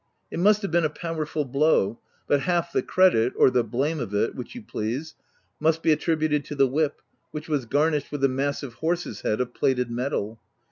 It must have been a power ful blow ; but half the credit — or the blame of it (which you please) must be attributed to the whip, which was garnished with a massive horse's head of plated metal.